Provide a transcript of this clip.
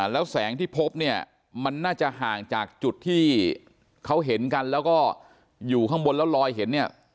แล้วแสงที่พบเนี่ยมันน่าจะห่างจากจุดที่เขาเห็นกันแล้วก็อยู่ข้างบนแล้วลอยเห็นเนี่ย